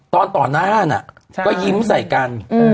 ตอนนานก็ยิ้มใส่กัน